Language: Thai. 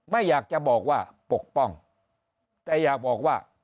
ไม่อยากจะบอกว่าปกป้องแต่อยากบอกว่า